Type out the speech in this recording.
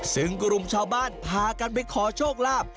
ซึ่งกลุ่มชาวบ้านพากันไปขอโชคลาภ